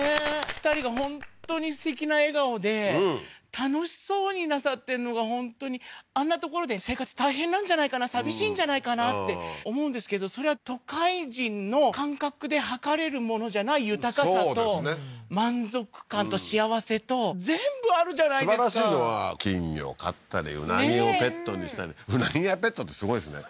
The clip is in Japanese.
２人が本当にすてきな笑顔で楽しそうになさってるのが本当にあんな所で生活大変なんじゃないかな寂しいんじゃないかなって思うんですけどそれは都会人の感覚で計れるものじゃない豊かさと満足感と幸せと全部あるじゃないですかすばらしいのは金魚を飼ったり鰻をペットにしたり鰻がペットってすごいですね